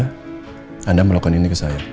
bagaimana anda melakukan ini ke saya